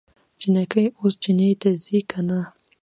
جينکۍ اوس چينې ته ځي که نه؟